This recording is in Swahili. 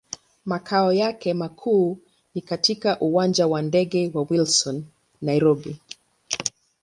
Makao yake makuu ni katika Uwanja wa ndege wa Wilson, Nairobi.